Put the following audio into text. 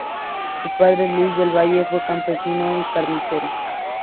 Su padre, Luis del Valle fue campesino y carnicero.